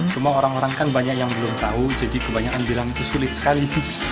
cuma orang orang kan banyak yang belum tahu jadi kebanyakan bilang itu sulit sekali